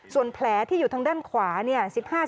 ส่วนแผลที่อยู่ทางด้านขวา๑๕๑๖๑๗๑๘๑๙๒๐เนี่ย